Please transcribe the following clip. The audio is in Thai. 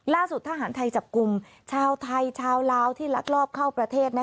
ทหารไทยจับกลุ่มชาวไทยชาวลาวที่ลักลอบเข้าประเทศ